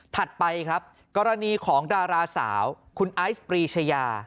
ไปครับกรณีของดาราสาวคุณไอซ์ปรีชายา